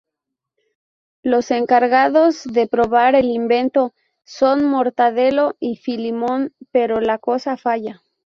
Los encargados de probar el invento son Mortadelo y Filemón, pero la cosa falla.